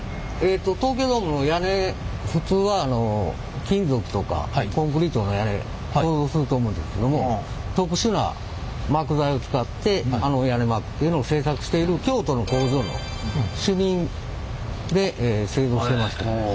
東京ドームの屋根普通は金属とかコンクリートの屋根想像すると思うんですけども特殊な膜材を使ってあの屋根膜というのを製作している京都の工場の主任で製造してました。